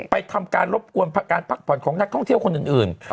ทำการรบกวนการพักผ่อนของนักท่องเที่ยวคนอื่น